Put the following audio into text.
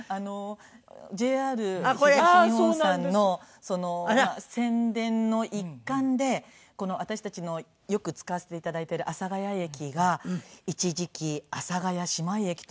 ＪＲ東日本さんの宣伝の一環でこの私たちのよく使わせて頂いている阿佐ヶ谷駅が一時期阿佐ヶ谷姉妹駅という形に。